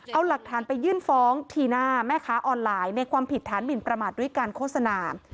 เอาหลักฐานไปยื่นฟ้องทีน่าแม่ค้าออนไลน์ในความผิดฐานหมินประมาทด้วยการโฆษณา